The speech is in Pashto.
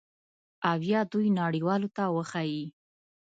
او یا دوی نړیوالو ته وښایي